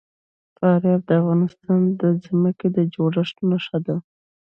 فاریاب د افغانستان د ځمکې د جوړښت نښه ده.